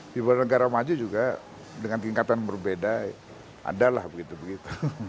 di beberapa negara maju juga dengan keingkatan berbeda ada lah begitu begitu